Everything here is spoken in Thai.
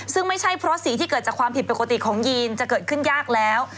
ซึ่งไม่ใช่เพราะสีที่เกิดจากความผิดปกติของยีนจะเกิดขึ้นยากแล้ว